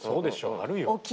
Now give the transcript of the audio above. あるよ。